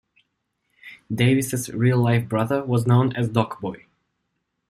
Davis' real-life brother was known as Doc Boy.